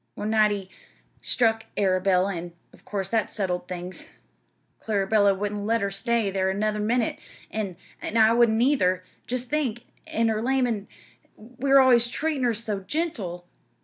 One night he struck Arabella, an' 'course that settled things. Clarabella wouldn't let her stay thar another minute, an' an' I wouldn't neither. Jest think an' her lame, an' we always treatin' her so gentle!